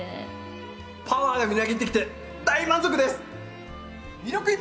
パワーがみなぎってきて大満足です！